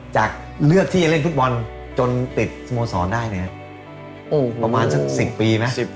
จากเลือกที่จะเล่นฟุตบอลจนติดสโมสรได้เนี่ยประมาณสัก๑๐ปีไหม